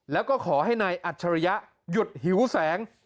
แล้วก็ขอให้นายอัจฉริยะหยุดหิวแสง